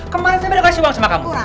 kemarin saya udah kasih uang sama kampura